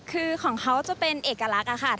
คือของเขาจะเป็นเอกลักษณ์ค่ะ